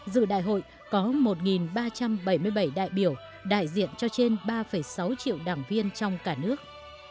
dự đại hội có một ba trăm bảy mươi bảy đại biểu đại diện cho trên ba sáu triệu đảng viên trong cả nước